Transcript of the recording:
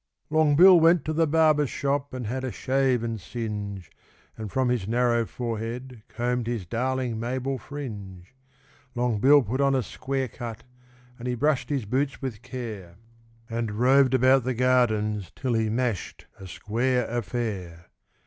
Long Bill went to the barber's shop and had a shave and singe, And from his narrow forehead combed his darling Mabel fringe; Long Bill put on a 'square cut' and he brushed his boots with care, And roved about the Gardens till he mashed a 'square affair.